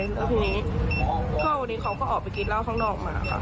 แล้วทีนี้พ่อวันนี้เขาก็ออกไปกินเหล้าข้างนอกมาค่ะ